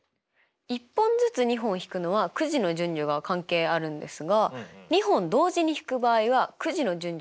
１本ずつ２本引くのはくじの順序が関係あるんですが２本同時に引く場合はくじの順序は関係ありませんよね。